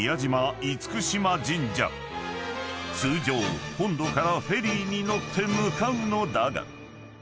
［通常本土からフェリーに乗って向かうのだが］